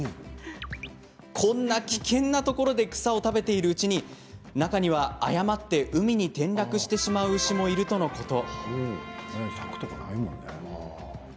こんな危険なところで草を食べているうちに中には、誤って海に転落してしまう牛もいるとのこと。